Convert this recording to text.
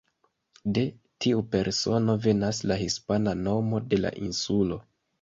De tiu persono venas la hispana nomo de la insulo.